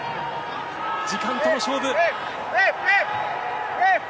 時間との勝負。